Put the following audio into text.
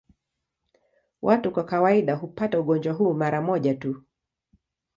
Watu kwa kawaida hupata ugonjwa huu mara moja tu.